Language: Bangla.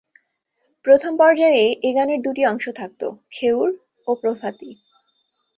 প্রথম পর্যায়ে এ গানের দুটি অংশ থাকত খেউড় ও প্রভাতী।